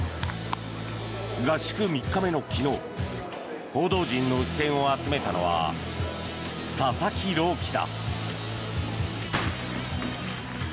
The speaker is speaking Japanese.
合宿３日目の昨日報道陣の視線を集めたのは佐々木朗希だ。